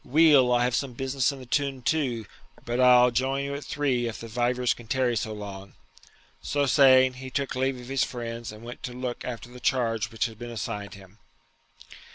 Weel, I have some business in the toun too; but I'll join you at three, if the vivers can tarry so long.' So saying, he took leave of his friends and went to look after the charge which had been assigned him.